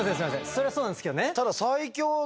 そりゃそうなんですけどね。